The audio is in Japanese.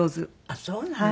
ああそうなの？